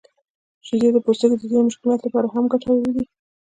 شیدې د پوستکي د ځینو مشکلاتو لپاره هم ګټورې دي.